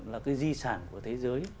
là cái di sản của thế giới